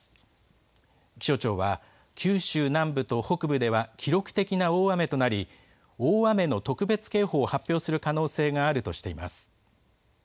気象庁は、九州南部と北部では、記録的な大雨となり、大雨の特別警報を発表する可能性があるとしています。